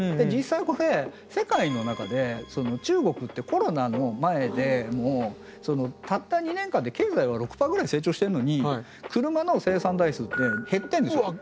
実際これ世界の中で中国ってコロナの前でもたった２年間で経済は６％ぐらい成長してるのに車の生産台数って減ってるんですよ。